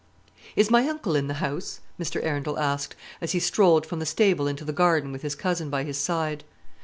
"Is my uncle in the house?" Mr. Arundel asked, as he strolled from the stable into the garden with his cousin by his side.